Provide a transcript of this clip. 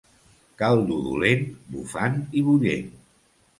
Caldo dolent, bufant i bullent.